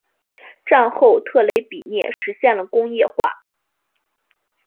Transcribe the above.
战后特雷比涅实现了工业化。